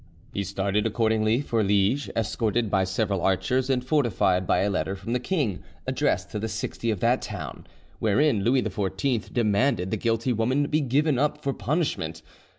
He started accordingly for Liege, escorted by several archers, and, fortified by a letter from the king addressed to the Sixty of that town, wherein Louis xiv demanded the guilty woman to be given up for punishment.